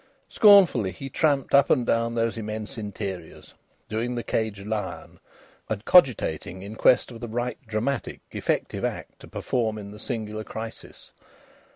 Scornfully he tramped up and down those immense interiors, doing the caged lion, and cogitating in quest of the right dramatic, effective act to perform in the singular crisis.